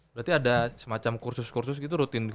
berarti ada semacam kursus kursus gitu rutin gitu